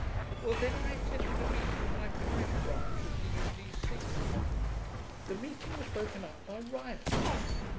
Well, then I attended a meeting of my parish branch of the U.D.C. The meeting was broken up by rioters.